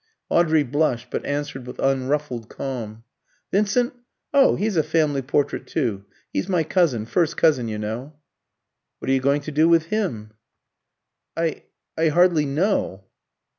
Audrey blushed, but answered with unruffled calm. "Vincent? Oh, he's a family portrait too. He's my cousin first cousin, you know." "What are you going to do with him?" "I I hardly know."